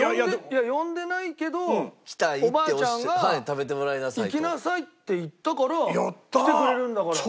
呼んでないけどおばあちゃんが行きなさいって言ったから来てくれるんだから。